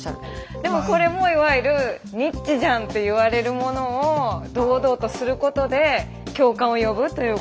でもこれもいわゆるニッチじゃんと言われるものを堂々とすることで共感を呼ぶということですよね。